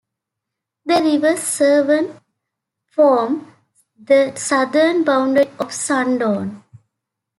The River Severn forms the southern boundary of Sundorne.